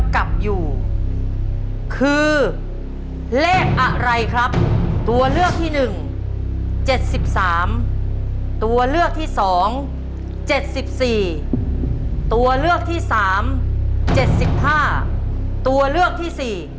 กับอยู่คือเลขอะไรครับตัวเลือกที่๑๗๓ตัวเลือกที่๒๗๔ตัวเลือกที่๓๗๕ตัวเลือกที่๔